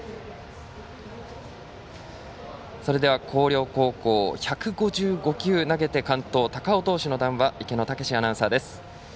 それでは広陵高校１５５球投げて完投、高尾投手の談話池野健アナウンサーです。